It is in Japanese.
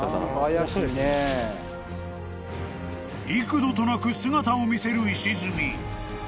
［幾度となく姿を見せる石積み］